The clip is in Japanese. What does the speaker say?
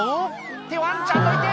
「ってワンちゃんどいて！